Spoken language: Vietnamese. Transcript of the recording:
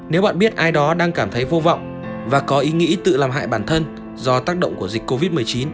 nếu bạn biết ai đó đang cảm thấy vô vọng và có ý nghĩ tự làm hại bản thân do tác động của dịch covid một mươi chín